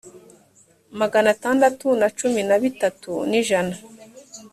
magana atandatu na cumi na bitatu n ijana